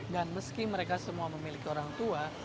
dan meski mereka semua memiliki orang tua